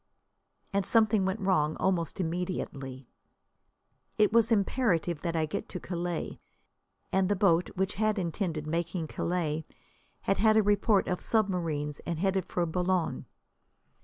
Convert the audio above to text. And something went wrong almost immediately. It was imperative that I get to Calais. And the boat, which had intended making Calais, had had a report of submarines and headed for Boulogne.